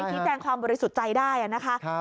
ชี้แจงความบริสุทธิ์ใจได้นะคะ